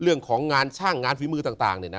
เรื่องของงานช่างงานฝีมือต่าง